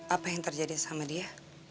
apa yang terjadi sama dia